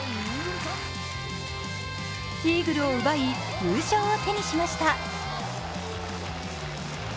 イーグルを奪い優勝を手にしました。